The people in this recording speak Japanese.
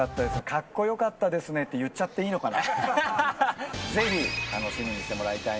かっこよかったですねって言っちゃっていいのかな。